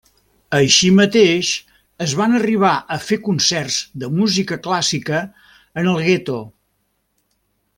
Així mateix, es van arribar a fer concerts de música clàssica en el gueto.